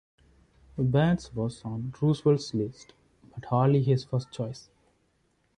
Byrnes was on Roosevelt's list but hardly his first choice.